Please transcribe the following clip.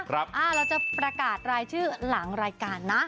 เราจะประกาศรายชื่อหลังรายการนะ